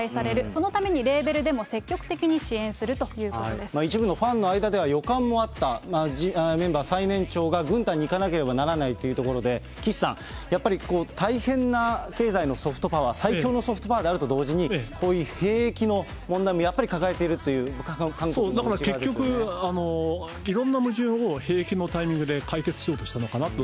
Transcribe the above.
そのためにレーベルでも積極的に支援するというこ一部のファンの間では予感もあった、メンバー最年長が軍隊に行かなければならないというところで、岸さん、やっぱり大変な経済のソフトパワー、最強のソフトパワーであると同時に、こういう兵役の問題もやっぱだから結局、いろんな矛盾を兵役のタイミングで解決しようとしたのかなと。